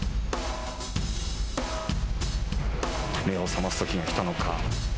目を覚ますときが来たのか。